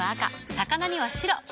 魚には白。